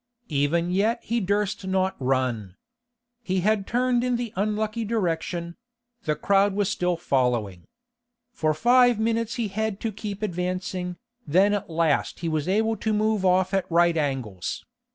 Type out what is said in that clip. Even yet he durst not run. He had turned in the unlucky direction; the crowd was still following. For five minutes he had to keep advancing, then at last he was able to move off at right angles.